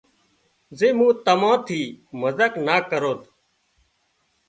زي مُون تمان ٿِي مزاق نا ڪروت